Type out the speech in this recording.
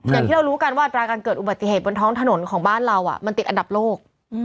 อย่างที่เรารู้กันว่าอัตราการเกิดอุบัติเหตุบนท้องถนนของบ้านเรามันติดอันดับโลก